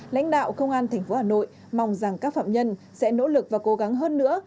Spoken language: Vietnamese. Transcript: lãnh đạo công an tp hà nội mong rằng các phạm nhân sẽ nỗ lực và cố gắng hơn nữa